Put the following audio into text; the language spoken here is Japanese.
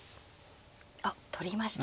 あっ取りました。